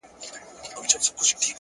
• روح مي نو څه وخت مهربانه په کرم نیسې،